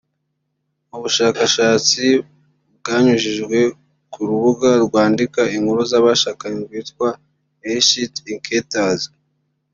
Mu bushakashatsi bwanyujijwe ku rubuga rwandika inkuru z’abashakanye rwitwa Illicit Encounters